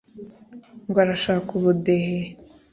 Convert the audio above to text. ngo arashaka ubudehe